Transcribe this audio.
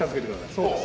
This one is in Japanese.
そうです。